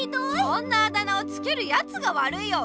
そんなあだ名をつけるやつがわるいよ！